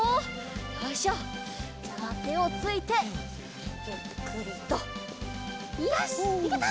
よいしょじゃあてをついてゆっくりとよしいけた！